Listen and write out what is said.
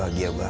oh gak bisa